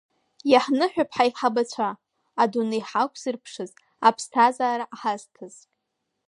Иаҳныҳәап ҳаиҳабацәа, адунеи ҳақәзырԥшыз, аԥсҭазаара ҳазҭаз…